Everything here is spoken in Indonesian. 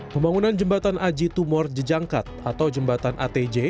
pembangunan jembatan aji tumor jejangkat atau jembatan atj